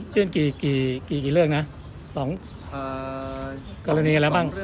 กี่เรื่องนะ๒กรณีอะไรบ้าง